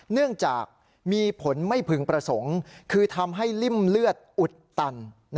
เนื่องจากมีผลไม่พึงประสงค์คือทำให้ริ่มเลือดอุดตัน